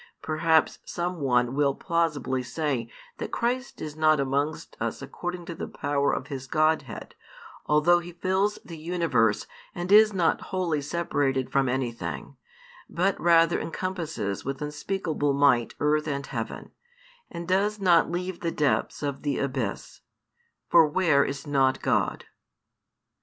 Perhaps some one will plausibly say that Christ is not amongst us according to the power of His Godhead, although He fills the Universe and is not wholly separated from anything, but rather encompasses with unspeakable might earth and heaven, and does not leave the depths of the abyss: for where is not God"?